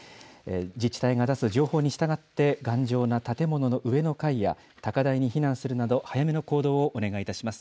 自治体が出す情報に従って、頑丈な建物の上の階や、高台に避難するなど、早めの行動をお願いいたします。